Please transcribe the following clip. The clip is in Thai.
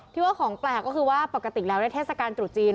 ที่ว่าของแปลกก็คือว่าปกติแล้วในเทศกาลตรุษจีน